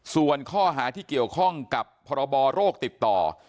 ส่วนข้อหาที่เกี่ยวข้องกับพรบโรคติดต่อ